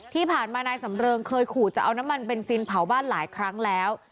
ที่ผ่านมานายสำเริงเคยขู่จะเอาน้ำมันเบนซินเผาบ้านหลายครั้งแล้ว